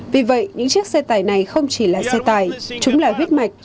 vì vậy những chiếc xe tải này không chỉ là xe tải chúng là huyết mạch